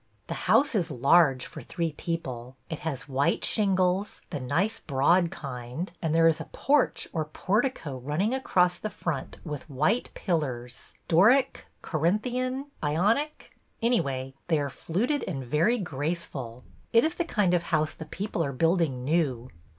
The house is large for three people. It has white shingles, the nice broad kind, and there is a porch or portico running across the front with white pillars — Doric ? Corinthian ? Ionic ? Anyway, they are fluted and very graceful. It is the kind of house the people are building new.